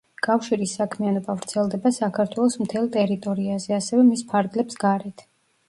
კავშირის საქმიანობა ვრცელდება საქართველოს მთელ ტერიტორიაზე, ასევე მის ფარგლებს გარეთ.